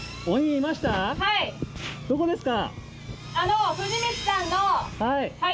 はいどこですか？